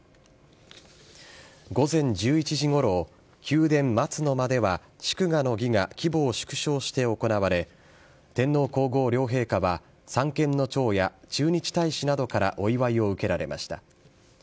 午前１１時ごろ、宮殿・松の間では祝賀の儀が規模を縮小して行われ、天皇皇后両陛下は、三権の長や駐日大使などからお祝いを受けられました。